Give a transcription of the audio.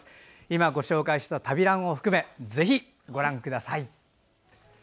今ご紹介した「旅ラン」を含めぜひご覧ください。